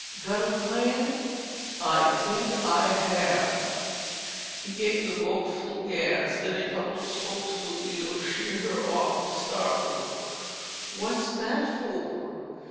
"Got a plan?" "I think I have." He gave the boat full gas, then a couple of spokes of the wheel sheered her off to starboard. "What's that for?"